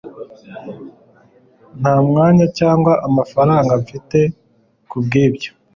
nta mwanya cyangwa amafaranga mfite kubwibyo